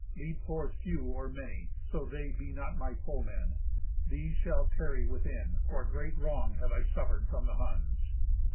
Lead forth few or many, so they be not my foemen. These shall tarry within, for great wrong have I suffered from the Huns."